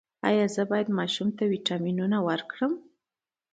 ایا زه باید ماشوم ته ویټامینونه ورکړم؟